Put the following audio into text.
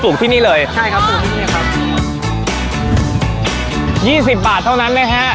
ที่นี่เลยใช่ครับปลูกที่นี่ครับยี่สิบบาทเท่านั้นนะฮะ